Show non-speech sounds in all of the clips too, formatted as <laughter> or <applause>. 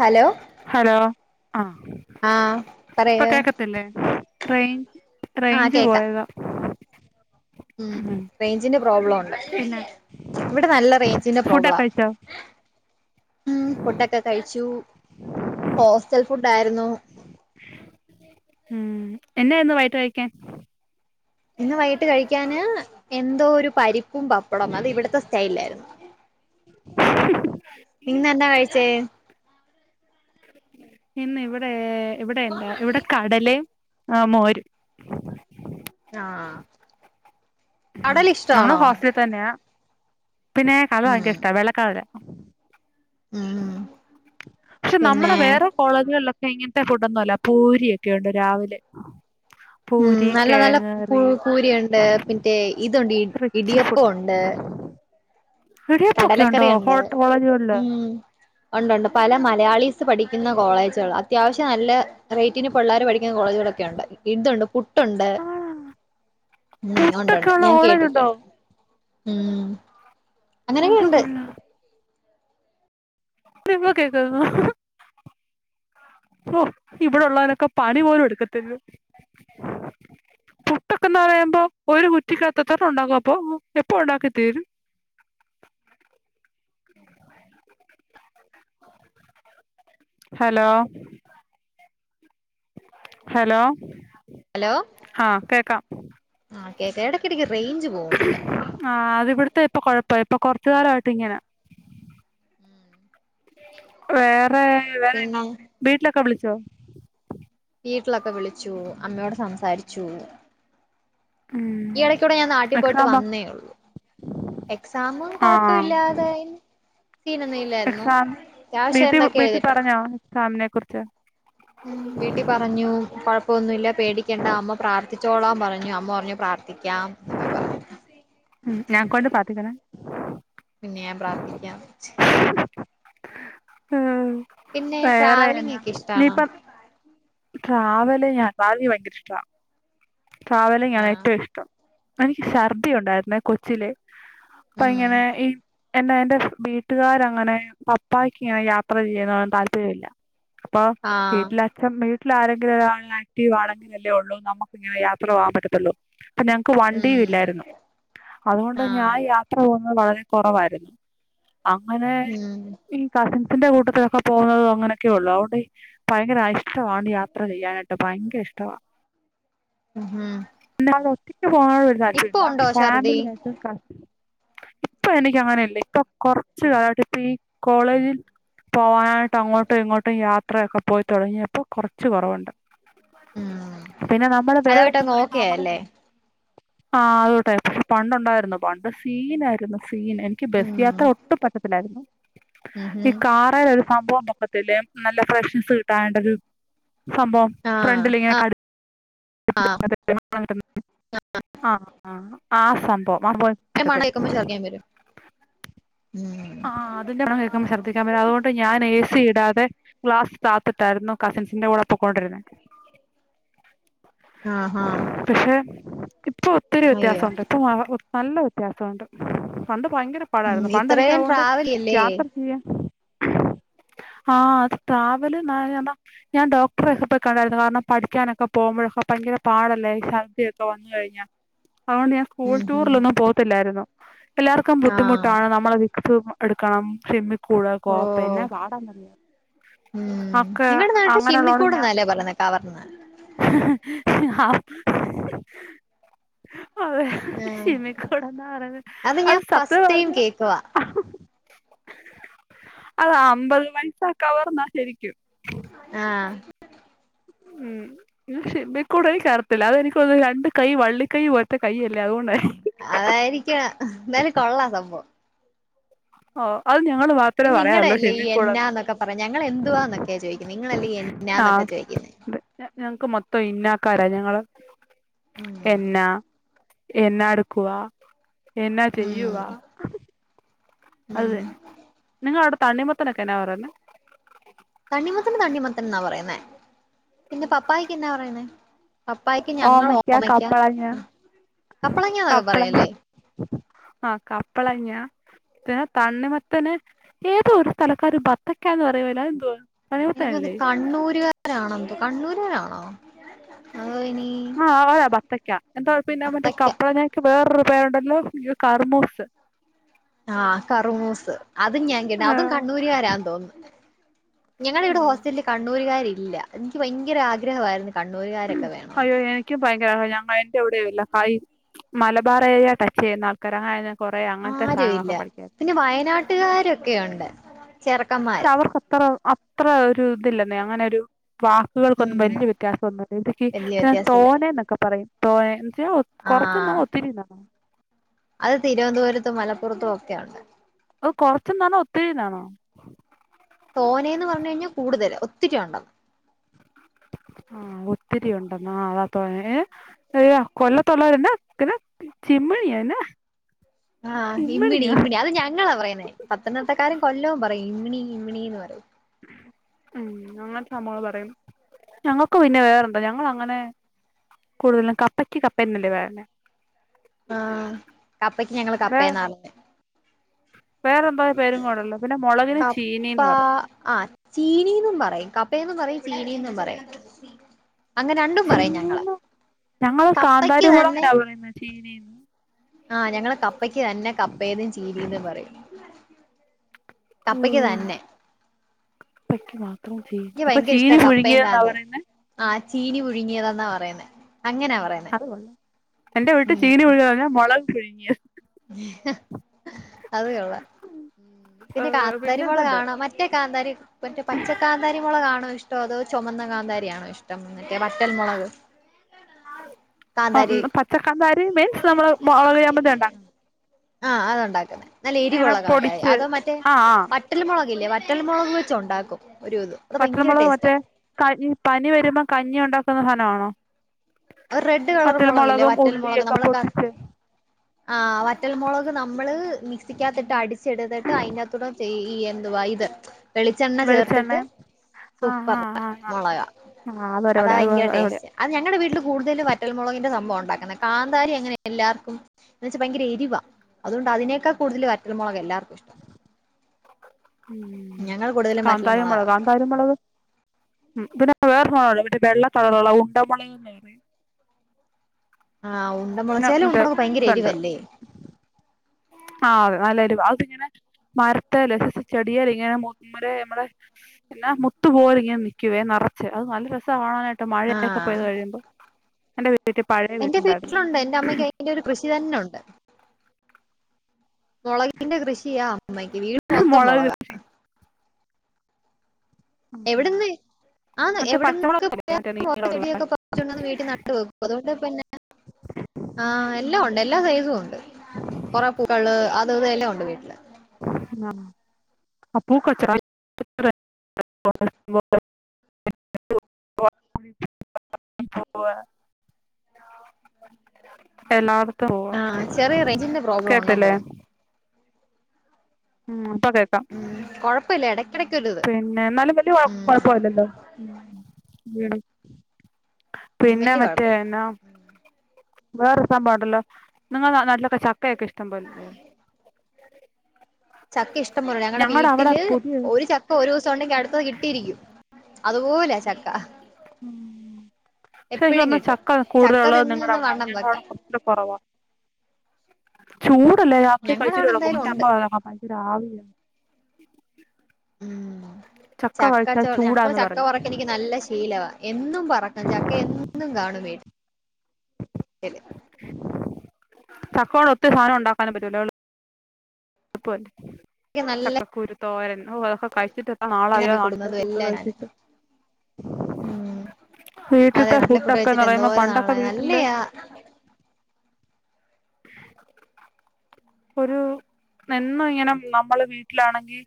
Hello hello അ ആഹ് ഇപ്പൊ പറയൂ കേക്കത്തില്ലേ റേയി ആഹ് റെയ്ഞ്ച് കേക്കാം പോയതാ ഉം റേഞ്ചിന്റെ പ്രോബ്ലം ഉണ്ട് പിന്നെ ഇവിടെ നല്ല റേഞ്ചിന്റെ ഫുഡൊക്കെ പ്രോബ്ലാ കഴിച്ചോ ഉം ഫുഡൊക്കെ കഴിച്ചു ഹോസ്റ്റൽ ഫുഡ് ആയിരുന്നു ഉം എന്നെയിരുന്നു വൈകിട്ട് കഴിക്കാൻ ഇന്ന് വൈകിട്ട് കഴിക്കാന് എന്തോ ഒരു പരിപ്പും പപ്പടവും അത് ഇവിടത്തെ സ്റ്റൈയിൽ ആയിരുന്നു <inaudible> ഇന്ന് എന്താ കഴിച്ചേ ഇന്ന് ഇവിടെ ഇവിടെ എന്താ ഇവിടെ കടലയും ആ മോരും ആഹ് ഉം കടല നമ്മള് ഇഷ്ടാണോ ഹോസ്റ്റലിൽ തന്നെയാ പിന്നെ കടല ഉം ഭയങ്കര ഇഷ്ടാ വെള്ളകടല ഉം പക്ഷെ പിന്നെ നമ്മുടെ വേറെ കോളേജുകളിലൊക്കെ ഇങ്ങൻത്തെ ഫുഡൊന്നും അല്ല പൂരി ഒക്കെ ഉണ്ട് രാവിലെ ഉം പൂരി നല്ല നല്ല കിഴങ്ങ് കറി പുയി പൂരി ഉണ്ട് പിന്നെ ഇതുണ്ട് റിച്ച് ഇടിയപ്പം ഫുഡ് ഉണ്ട് ഇടിയപ്പൊക്കെ ഉണ്ടോ കടലക്കറി ഉണ്ട് ഹോട്ട് കോളേജുകളില് ഉം ഉണ്ട് ഉണ്ട് പല മലയാളീസ് പഠിക്കുന്ന കോളേജുകളാ അത്യാവശ്യം നല്ല റേറ്റിന് പിള്ളേർ പഠിക്ക്ന്ന കോളേജുകളൊക്കെ ഉണ്ട് ഇതുണ്ട് പുട്ടുണ്ട് ആണോ ഉം ഒണ്ട് പുട്ടൊക്കെ ഉണ്ട് ഉള്ള ഞാൻ കോളേജുണ്ടോ കേട്ടിട്ടുണ്ട് ഉം അങ്ങനെയൊക്കെ അത് ഉണ്ട് കൊള്ള ഇനിപ്പ കേക്കാര്ന്നോ ഓ ഇവിടൊള്ളവനൊക്കെ പണി പോലും എടുക്കത്തില്ല പുട്ടൊക്കന്ന് പറയ്മ്പം ഒരു കുറ്റിക്കാത്തെത്രെണ്ണം ഒണ്ടാകു അപ്പൊ എപ്പൊ ഒണ്ടാക്കി തീരും ഹലോ ഹലോ ഹലോ ആ കേക്കാം ആഹ് കേക്ക എടക്കെടക്ക് റേഞ്ച് പോവ്ന്നുണ്ട് ആഹ് അത് ഇവ്ട്ത്തെ ഇപ്പൊ കൊയപ്പ ഇപ്പ കൊറച്ച് കാലായി. ട്ട് ഇങ്ങന വേറെ വേറെന്നാ പിന്നെ വീട്ടിലൊക്കെ വിളിച്ചോ വീട്ടിലൊക്കെ വിളിച്ചു അമ്മയോട് സംസാരിച്ചു ഈ ഉം എടക്കൂടെ ഞാൻ നാട്ടി പോയിട്ട് എക്സാം വന്നേ ഒള്ളൂ എക്സാമും ആ കൊഴപ്പല്ലാതായ് സീനൊന്നും ഇല്ലാരുന്നു എക്സാം ഞാൻ പക്ഷെ എന്തൊക്കെയോ എഴുതിട്ടോണ്ട് സാറിനെ കുറിച്ച് ഉം വീട്ടി പറഞ്ഞു കൊഴപ്പൊന്നുല്ല പേടിക്കണ്ട അമ്മ പ്രാർത്ഥിച്ചോളാം പറഞ്ഞു അമ്മ പറഞ്ഞു പ്രാർത്ഥിക്കാം എന്നാ പറഞ്ഞു ഉം ഞാൻക്കൊണ്ട് പാത്തിക്ക്ണ് പിന്നെ ഞാൻ പ്രാർത്ഥിക്കാം ഉം പിന്നെ ട്രാവലിംഗ് വേറെയെന്നാ ഒക്കെ ഇഷ്ടാണോ ഇനിപ്പം ട്രാവലെ ഞാൻ ട്രാവല് ഭയങ്കര ഇഷ്ട്ടാ ട്രാവലിംഗ് ആണ് ആഹ് ഏറ്റോം ഇഷ്ടം എനിക്ക് ശർദ്ദി ഒണ്ടാര്ന്നെ കൊച്ചിലെ അപ്പ ഉം എങ്ങനെ ഈ എന്നാ എന്റെ വീട്ടുകാരങ്ങനെ പപ്പായ്ക്ക് ഇങ്ങനെ യാത്ര ചെയ്യുന്നോടെന്നും താല്പര്യല്ല അപ്പൊ ആഹ് വീട്ടിലച്ചൻ വീട്ടിലാരെങ്കിലു ഒരാള് ആക്റ്റീവാണെങ്കിലല്ലെ ഒള്ളൂ നമ്മക് യാത്ര പോവാം പറ്റത്തൊള്ളൂ പിന്ന ഞങ്ങക്ക് വണ്ടിയു ഉം ഇല്ലാരുന്നു അതുകൊണ്ട് ഞാൻ ആഹ് യാ പോകുന്ന വളരെ കൊറവാര്ന്ന് അങ്ങനെ ഉം ഈ കസിൻസിന്റെ കൂട്ടത്തിലൊക്ക പോന്നത് അങ്ങനൊക്കെ ഒള്ളു അതൊണ്ടെ ഭയങ്കര അരിഷ്ടവാണ് യാത്ര ചെയ്യാനായിട്ട് ഭയങ്കര ഇഷ്ടവ മ്ഹു എന്നാൽ ഒറ്റക്ക് പോവാൻ ഒരു താൽപര്യല്ല ഉണ്ടോ ഛർദി ഫാമിലിയായിട്ട് കസിൻ ഇപ്പ എനിക്കങ്ങനെ അല്ലേ ഇപ്പൊ കൊറച്ച് കാലായിട്ട് ഇപ്പൊ ഈ കോളേജിൽ പോവാനാട്ട് അങ്ങോട്ടും ഇങ്ങോട്ടും യാത്രയൊക്ക പോയി തൊടങ്ങിയപ്പോ കൊറച്ച് കൊറവോണ്ട് ഉം പിന്നെ നമ്മള് അതുമായിട്ടങ്ങ് വേറെന്തങ്കിലൊക്ക ഓക്കെ നമ്മള് ആയല്ലേ ആഹ് അതോട്ടെ പണ്ടോണ്ടാര്ന്ന് പണ്ട് സീനാരുന്നു സീന് എനിക്ക് ബസ്സ് ഉം യാത്ര ഒട്ടും പറ്റത്തില്ലാരുന്നു ഉം ഈ ഹും കാർ അയ്ലൊര് സംഭവം വെക്കത്തില്ലേ നല്ല ഫ്രഷ്നസ് കിട്ടാനാട്ട് ഒരു സംഭവം ആഹ് ഫ്രണ്ടിൽ ഇങ്ങനെ അഹ് കടി <inaudible> ആഹ് അ ആഹ് സംഭവം ആ സംഭവം എന്ക്ക് അയിന്റെ മണം പറ്റത്തെല്ല കേക്കുമ്പോ ഛർദിക്കാൻ വരും ഉം ആഹ് അതിന്റെ മണം കേക്കുമ്പ ശർദ്ധിക്കാം വെരും അതുകൊണ്ട് ഞാൻ എ സി ഇടാതെ ഗ്ലാസ് താത്തിട്ടാരുന്നു കസിൻസിന്റെ കൂടെ പൊക്കൊണ്ടിരുന്നെ ആഹ് ഹഹ് പക്ഷെ ഇപ്പൊ ഒത്തിരി വ്യത്യാസൊണ്ട് ഇപ്പ മാറും നല്ല വ്യത്യാസൊണ്ട് പണ്ട് ഭയങ്കര ഉം പാടാരുന്നു പണ്ട് ഇത്രയും എനിക്കതോണ്ട് ട്രാവൽ ചെയ്യല്ലേ യാത്ര ചെയ്യാൻ ആഹ് അത് ട്രാവെല് നായാമ്പ ഞാൻ ഡോക്ടറെ ഒക്ക പോയി കണ്ടാര്ന്നു കാരണം പഠിക്കാനൊക്ക പോകുമ്പഴൊക്ക ഭയങ്കര പാടല്ലേ ശർദ്ധിയൊക്ക വന്ന് കയ്ഞ്ഞ അതോണ്ട് ഞാൻ സ്കൂൾ ഉം ഹും ടൂറിലൊന്നും പോകത്തില്ലാര്ന്നു എല്ലാർക്കും ആഹ് ബുദ്ധിമുട്ടാണ് നമ്മളൊര് സൂമ് എടുക്കണം ചിമ്മിക്കൂട് ഓ കോപ്പെ എന്നാ പാടാന്നറിയോ ഉം ഒക്കെ നിങ്ങടെ നാട്ടിൽ അങ്ങനെള്ളോണ്ട് ഞാൻ ഷിമ്മിക്കൂട്ന്നല്ലേ പറയുന്നെ കവർന്ന് അതെ ആഹ് സിമ്മിക്കൂടെന്നാ പറഞ്ഞത് അത് സത്യം പറഞ്ഞ ക്കുവാ അതാ അമ്പത് പൈസ കവർന്നാ ശരിക്കും ആഹ് ഉം ഇത് ഷിമ്മി ക്കൂട് അറിയത്തില്ല അതെനിക്ക്തോന്നുന്നെ രണ്ട് കൈ വള്ളിക്കൈ പോലത്തെ കൈ അല്ലേ അതുകൊണ്ടായിരിക്കും അതായിരിക്ക്യ എന്തായാലും കൊള്ളാം സംഭവം ഓ അത് ഞങ്ങള് വാ നിങ്ങടെല്ലേ ഈ എന്നാന്നെക്കെ പറഞ്ഞ ഞങ്ങള് എന്തുവാന്നൊക്കെ ചോയിക്കുന്നെ നിങ്ങളല്ലേ ആഹ് എന്നന്നൊക്കെ ചോദിക്കുന്നേ അതെ ഞങ്ങക്ക് മൊത്തം ഇന്നക്കാര ഞങ്ങള് ഉം എന്ന എന്നാടുക്കവാ എന്ന ഉം ചെയ്യുവാ അത് ഉം തന്നെ നിങ്ങളവിടെ തണ്ണിമത്തനൊക്കെന്നാ പറയുന്നെ തണ്ണിമത്തന് തണ്ണിമത്തൻ എന്നാ പറയുന്നേ പിന്റെ പപ്പായക്ക് എന്ന പറയുന്നേ പപ്പായക്ക് ഞങ്ങള് ഓമയ്ക്ക കപ്പളങ്ങാന്നൊക്കെ കപ്പളങ്ങ പറയുല്ലേ ആഹ് കപ്പളങ്ങ പിന്നെ തണ്ണി മത്തന് ഏതോ ഒരു സ്ഥലക്കാര് ബത്തക്കാന്ന് പറയുവല്ലെ അതന്താ എനിക്കത് കണ്ണൂര് കാരാണോ എന്തോ കണ്ണൂരനാണോ അതോ ഇനി- ആഹ് ആ ബത്തയ്ക്കാ എന്താ പിന്നെ മറ്റേ അത്തയ്ക്ക കപ്പളങ്ങക്ക് വേറൊരു പേരുണ്ടല്ലോ കറുമൂസ് ആഹ് കറമൂസ് അതും ഞാൻ കേട്ട് അതും കണ്ണൂര്കാരാന്ന് തോന്നുന്നു ഞങ്ങള ഇവിടെ ഉം ഹോസ്റ്റലില് കണ്ണൂര്കാരില്ല എനിക്ക് ഭയങ്കര ആഗ്രഹമായിരുന്നു കണ്ണൂര്കാരൊക്കെ വേണമെന്ന് എനിക്ക് ഭയങ്കര ഭയങ്കരമായിട്ട് എവിടെയുള്ള ഹായ് മലബാറ് ഏരിയ ടച്ച് ചെയ്യുന്ന ആൾക്കാര് അതാര- കൊറേ അങ്ങനത്തെ ആരും ഇല്ല സാധങ്ങളൊക്കെ പഠിക്കാ പിന്നെ വയനാട്ടുകാരൊക്കെയുണ്ട് ചെർക്കം - പക്ഷെ അവർക്കത്ര അത്ര ഒരു ഇതില്ലെന്നേ അങ്ങനെ ഒരു പാ- വാക്കുകൾക്കൊന്നും ഉം വല്ല്യ വ്യത്യാസന്നുല്ല ഇതിക്ക് വല്യ പിന്നെ വ്യത്യാസമില്ല തോനെന്നൊക്കെ പറയും തോനെ - ആഹ് അത് തിരുവൻതോരത്തും മലപ്പുറത്തും ഒക്കെ ഉണ്ട് ഓ കൊറച്ച് എന്നാണോ ഒത്തിരിന്നാണോ തോനേ എന്ന് പറഞ്ഞു കഴിഞ്ഞാൽ കൂടുതല് ഒത്തിരി ഒണ്ടെന്ന് ആഹ് ഒത്തിരി ഒണ്ടന്ന് അതാ തോനേ അയ്യോ കൊല്ലത്ത് ഉള്ളോരെന്ന ചിക്കന് ചിമ്മണിയ എന്നാ - ആഹ് ഇമ്മിണി ഇമ്മിണി അത് ഞങ്ങളാ പറയുന്നേ പത്തനംത്തിട്ടക്കാര് കൊല്ലവും പറയും ഇമ്മിണി ഇമ്മിണിന്ന് പറയും ഉം അങ്ങനത്തെ സംഭവങ്ങള് പറയും ഞങ്ങൾക്ക് പിന്നെ വേറെന്താ ഞങ്ങളങ്ങനെ- കൂഴല <unintelligible> ക്ക കപ്പക്ക് കപ്പ എന്നല്ലെ പറയണേ ആഹ് കപ്പക്ക് ഞങ്ങള് കപ്പെന്നാ പറയുന്നെ വേറെ എന്താ പേരും കൂടെ ഒണ്ട് ല് പിന്നെ മൊളകിന് കപ്പ ചീനീന്ന് പറയും ആ ചീനീന്നും പറയും കപ്പയെന്നും പറയും ചീനീന്നും പറയും അങ്ങ് രണ്ടും പറയും ഞങ്ങള് ചീനിന്നും ഞങ്ങള് കപ്പയ്ക്ക് കാന്താരിമുളകിനാ പറയുന്ന ചീനിന്ന് ആഹ് ഞങ്ങള് കപ്പക്ക് തന്നെ കപ്പെന്നും ചീനിന്നും പറയും കപ്പക്ക് തന്നെ അപ്പ ചീനി പുഴുങ്ങിയെന്നാ പറയുന്നേ ആഹ് ചീനി പുഴുങ്ങിയതന്നാ പറയുന്നെ അങ്ങനാ പറയുന്നെ എന്റെ വീട്ടി ഉം ചീനി പുഴുങ്ങാന്ന് പറഞ്ഞ മൊളക് പുഴുങ്ങിയത് അത് കൊള്ളാം പിന്നെ ഏഹ് കാന്താരി പിന്നെ ഇതുണ്ട് മൊളകാണോ മറ്റേ കാന്താരി മറ്റേ പച്ചക്കാ- കാന്താരി മൊളകാണോ ഇഷ്ടം അതോ ചൊമന്ന കാന്തരിയാണോ ഇഷ്ട്ടം മറ്റേ വറ്റൽ മൊളക് കാന്താരി കാന്താരി മീൻസ് നമ്മള് മൊളക് ചമ്മന്തിയിണ്ടാ- ആഹ് അത് ഒണ്ടാക്കും നല്ല ഇങ്ങനെ എരിവുള്ള കാതാരി പൊടിച്ച് അതോ മറ്റേ ആഹ് മൻ- ആഹ് വറ്റൽ മൊളകില്ലേ വറ്റൽ മൊളക് വെച്ച് ഒണ്ടാക്കും ഒരു ഇത്- അത് ഭയങ്കര വറ്റൽമൊളക് ടേസ്റ്റാ മറ്റേ ക പനി വരുമ്പോ കഞ്ഞി ഒണ്ടാക്കുന്ന സാധന ആണോ ഒരു റെഡ് കളർ വറ്റൽ മുളകില്ലേ മൊളകും വറ്റൽ മുളക് ഉള്ളിയൊക്കെ നമ്മള് ക പൊട്ടിച്ച്- ആഹ് വറ്റൽമൊളക് നമ്മള് മിക്സിക്കത്തിട്ട് അടിച്ചെടുത്തിട്ട് അയ്നകത്തൂടെ ചെയ്യ- എന്തുവായിത് വെളിച്ചെണ്ണ ചേർത്തിട്ട് വെളിച്ചെണ്ണയും ആഹ് സൂപ്പറാ ആഹ് ആഹ് മൊളക ആഹ് ആഹ് അതാ അതൊരുപൊളിയാ അത് ഇങ്ങനെ അടിപൊളിയാ ടേസ്റ്റ് അത് ഞങ്ങടെ വീട്ടില് കൂടുതലും വറ്റൽമുളകിന്റെ സംഭവയുണ്ടാക്കന്നെ കാന്താരി എങ്ങനെ എല്ലാർക്കും- എന്ന് വെച്ചാ ഭയങ്കര എരിവാ അത്കൊണ്ട് അതിനേക്കാ കൂടുതല് വറ്റൽ മൊളക് എല്ലാർക്കുയിഷ്ട്ടം ഞങ്ങൾ കൂടുതലും കാന്താരി വറ്റൽമുളകാ മോളാകൊ കാന്താരി മൊളക്- ഉം പിന്നെ വേറെ സാനനംല്ലേ വെള്ള കളറ് ഉള്ളെ ഉണ്ടമുളക്ന്ന് പറയ- ആ ഉണ്ട മുളക് പിന്നെ ചെല മറ്റേ ഉണ്ടമുളക് ഭയങ്കര ഇതുണ്ട് എരിവല്ലേ ആ അതെ നല്ലെരുവാ അതിങ്ങനെ മരത്തേല് ചെടിയേല് ഇങ്ങനെ അമ്മളെ പിന്നെ മുത്തു പോലെ ഇങ്ങനെ നിക്കുവേ നറച്ച് അത് നല്ല രസാ കാണാനായിട്ട് മഴയൊക്കെ ആഹ് പെയ്ത് കഴിയുമ്പോ എന്റെ വീട്ടി പഴയ വീടുണ്ടായിരുന്നു മ്മക്ക് ഒരു കൃഷി തന്നെ ഒണ്ട് മുളകിന്റെ കൃഷിയ അമ്മക്ക് വീട് മൊത്തം മൊളക് മുളക എവിട്ന്ന് ആ മറ്റേ എവിടെന്നെ പച്ചമുളകില്ലേ ക്കെ മറ്റേ <inaudible> നീളമുള്ള ചെടിയൊക്കെ പർ ച്ച്‌ ണ്ടന്ന് വീട്ടി നട്ട് വെക്കും അതുകൊണ്ട് പിന്നെ ആ എല്ലാം ഉണ്ട് എല്ലാ സൈസും ഉണ്ട് കൊറേപ്പൂക്കള് അത് ഇത് എല്ലാണ്ട് വീട്ടില് ആഹ് അപ്പൊ കച്ചറയ് <unintelligible> <unintelligible> <unintelligible> എലാ ആ ചെറിയ റൈജ്ന്റെ പ്രോബ്ലം ഉണ്ടന്ന് തോന്നുന്നു ഉം പ്പകേ ഉം കൊഴപ്പല്ല എടയ്ക്കെടയ്ക്കൊരുത് പിന്നെ എന്നാലും വല്യ കൊഴ കൊഴപ്പല്ലല്ലോ <inaudible> ഉം പിന്നെ വല്യ മറ്റേ കൊഴപ്പല്ല എന്നാ വേറെരു സംഭവണ്ടല്ലോ നിങ്ങളെ നാട്ടിലൊക്കെ ചക്കയെക്കെ ഇഷ്ടം പോലെല്ലേ ചക്ക ഇഷ്ടം പോലെ ഞങ്ങടെ അവിടെ വീട്ടില് പുതിയ ഒരു ചക്ക ഒരൂസണ്ടെങ്കി അടുത്തത് കിട്ടിയിരിക്കും അതുപോല ചക്ക ഉ ക്ഷെ ഇക്ക് എപ്പഴും തോന്നുന്നു കിട്ടും ചക്ക ചക്ക കൂടുതല്ള്ളത് തിന്ന് നിങ്ങട തിന്ന് അവിടാ വണ്ണം വെക്കാം ഞങ്ങളവിട കുറവ ചൂടല്ലേ രാത്രി കഴിച്ചിട്ട് ഞങ്ങളവിടെ കെടക്കുമ്പോ എന്തായാലും ഉണ്ട് ന്റമ്മ പറ അതി രാവിയെ ഉം ചക്ക കഴിച്ചാ ചൊളയാ ങ്ങള് ചൂടാന്ന് ചക്ക പറയും പൊറക്കല് ക്ക് നല്ല ശീലവാ എന്നും പറക്കും ചക്ക എന്നും കാണും വീ <inaudible> ട്ട്ല് ചക്കോണ്ട് ഒത്തിരി സാനം ഉണ്ടാക്കാനും പറ്റുംല്ലോ <unintelligible> എനിക്ക് നല്ല ചക്ക കുരുത്തോരൻ ഔ അക്കെ കഴിച്ചിട്ട് എത്ര നാളായോ മമ്മി നാട്ടിലെ കൊടുന്നതും ഫുഡ്‌ എല്ലാം ഞാന് കഴിച്ചിട്ട് ഉം <inaudible> അതെ വീട്ട്ത്തെ നാട്ടിലെ ഫുഡ് കഴിച്ചിട്ട് ഫുഡൊക്കെന്ന് റയുമ്പോ എന്തോരം പണ്ടൊക്കെ നാളായി വീട്ടില് നല്ലയാ ഒരു എന്നും ഇങ്ങനെ നമ്മള് വീട്ടിലാണെങ്കി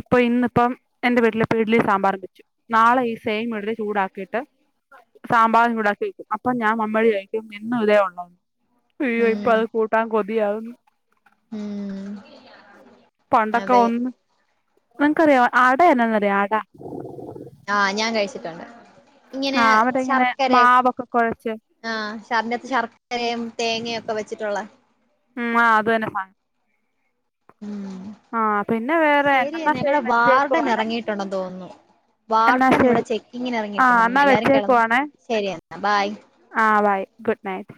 ഇപ്പൊ ഇന്ന്പ്പം എന്റെ വീട്ടില് ഇപ്പ ഇഡലിം സാമ്പാറും വെച്ചു നാളെ ഈ സേയിം ഇഡ്ലി ചൂടാക്കിട്ട് സാമ്പാറും ചൂടാക്കി വെക്കും അപ്പൊ ഞാൻ മമ്മയോട് ചോയ്ക്കും എന്നും ഇതേ ഉള്ളോന്ന് അയ്യോ ഇപ്പൊ ഉം അത് കൂട്ടാ കൊതിയാവുന്നു ഉം <inaudible> പണ്ടക്കെ അതെ ഒന്ന് അൻക്കറിയോ അട ന്നന്നറിയോ അ ട ആ ഞാൻ കഴിച്ചിട്ടുണ്ട് ഇങ്ങനെ ആഹ് മറ്റേ ഇങ്ങനെ ശർക്കര ഒക് <unintelligible> ആഹ്‌ ശർനത്ത് ശർക്കരയും തേങ്ങയൊക്കെ വെച്ചിട്ടുള്ള മ് ആ അത് തന്നെ <unintelligible> മ് ആഹ് പിന്നെ വേറെ എന്നാ ശരിയെന്ന ശരി ഞങ്ങളെ വാർഡൻ വെച്ചേക്കുവാണേ എറങ്ങിട്ടുണ്ടെന്ന് തോന്നുന്നു എന്നാ വാർടൻ ഇവിടെ ശരി ചെക്കിങ്ങിന് ആഹ് എറങ്ങിയിട്ടുടെന്ന് എന്നാ എല്ലാരും കെടന്നു ശരിയെന്ന ബായ് ആഹ്‌ ബൈ ഗുഡ് നൈറ്റ്